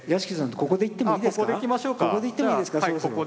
ここでいってもいいですかそろそろ。